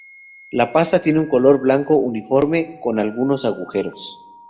La pasta tiene un color blanco uniforme, con algunos agujeros.